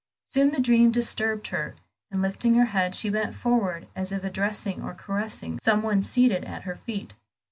Soon the dream disturbed her, and lifting her head, she bent forward, as if addressing or caressing some one seated at her feet.